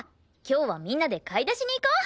今日はみんなで買い出しに行こう！